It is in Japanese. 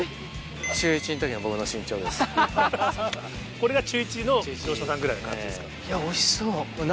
これが中１の城島さんぐらいの感じですか。